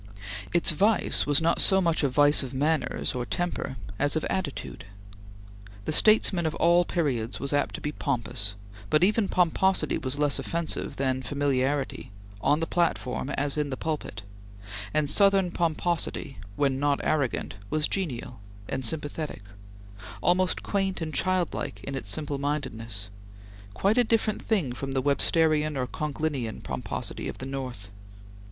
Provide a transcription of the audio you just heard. Its vice was not so much a vice of manners or temper as of attitude. The statesman of all periods was apt to be pompous, but even pomposity was less offensive than familiarity on the platform as in the pulpit and Southern pomposity, when not arrogant, was genial and sympathetic, almost quaint and childlike in its simple mindedness; quite a different thing from the Websterian or Conklinian pomposity of the North.